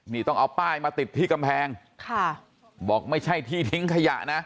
นี่ต้องเอาป้ายมาติดที่กำแพงค่ะบอกไม่ใช่ที่ทิ้งขยะนะ